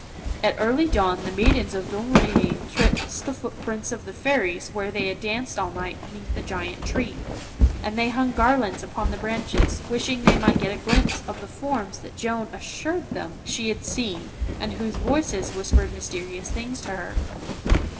At early dawn the maidens of Domremy traced the footprints of the fairies where they had danced all night beneath the great tree ; and they hung garlands upon the branches, wishing they might get a glimpse of the forms that Joan assured them she had seen, and whose voices whispered mys terious things to her.